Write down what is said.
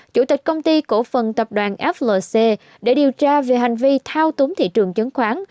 chủ tịch công ty cổ phần tập đoàn flc để điều tra về hành vi thao túng thị trường chứng khoán